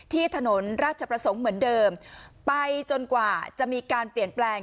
ที่ถนนราชประสงค์เหมือนเดิมไปจนกว่าจะมีการเปลี่ยนแปลง